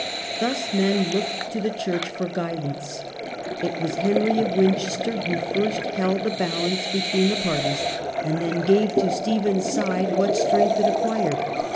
Thus men looked to the church for guidance. It was Henry of Winchester who first held the balance between the parties, and then gave to Stephen's side what strength it acquired.